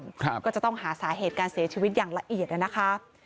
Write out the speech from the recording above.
ครับก็จะต้องหาสาเหตุการเสียชีวิตอย่างละเอียดอ่ะนะคะ